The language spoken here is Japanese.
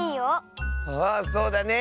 あそうだね！